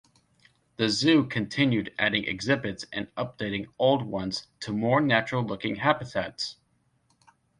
The zoo continued adding exhibits and updating old ones to more natural-looking habitats.